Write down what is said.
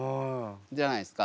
じゃないですか？